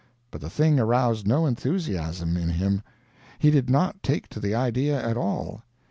But the thing aroused no enthusiasm in him. He did not take to the idea at all.